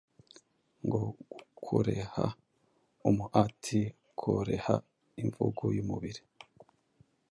nko gukoreha umuati Koreha imvugo yumubiri